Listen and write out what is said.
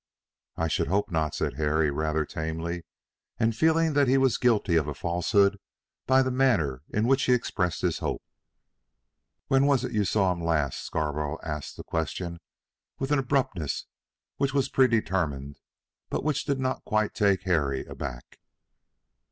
"I should hope not," said Harry, rather tamely, and feeling that he was guilty of a falsehood by the manner in which he expressed his hope. "When was it you saw him last?" Scarborough asked the question with an abruptness which was predetermined, but which did not quite take Harry aback.